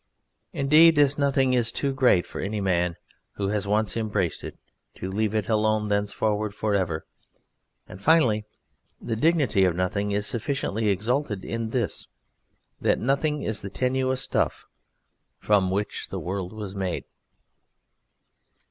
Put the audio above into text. Indeed this Nothing is too great for any man who has once embraced it to leave it alone thenceforward for ever; and finally, the dignity of Nothing is sufficiently exalted in this: that Nothing is the tenuous stuff from which the world was made.